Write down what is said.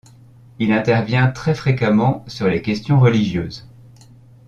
Il intervient très fréquemment sur les questions religieuses.